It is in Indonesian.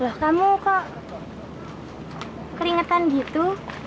wah kamu kok keringetan gitu